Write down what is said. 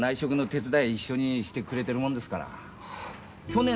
一緒にしてくれてるもんですから。